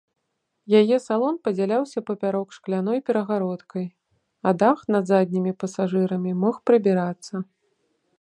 Яе салон падзяляўся папярок шкляной перагародкай, а дах над заднімі пасажырамі мог прыбірацца.